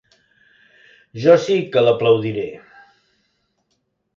Jo sí que l'aplaudiré.